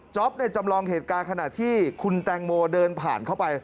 จำลองเหตุการณ์ขณะที่คุณแตงโมเดินผ่านเข้าไป